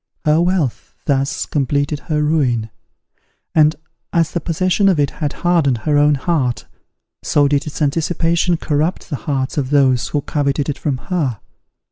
Her wealth, thus completed her ruin; and, as the possession of it had hardened her own heart, so did its anticipation corrupt the hearts of those who coveted it from her.